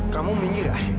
kamu minggir kak